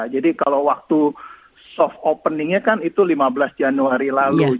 jadi kalau waktu soft openingnya kan itu lima belas januari lalu